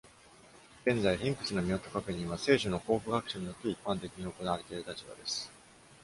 現在、Hincks の身元確認は、聖書の考古学者によって一般的に行われている立場です。